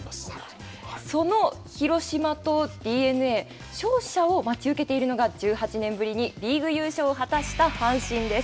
その広島とＤｅＮＡ、勝者を待ち受けているのが１８年ぶりにリーグ優勝を果たした阪神です。